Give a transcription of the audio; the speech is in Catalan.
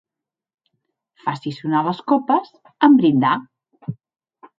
Faci sonar les copes en brindar.